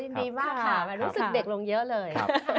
ดีมากค่ะรู้สึกเด็กลงเยอะเลย